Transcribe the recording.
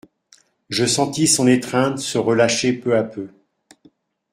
Je sentis son étreinte se relâcher peu à peu.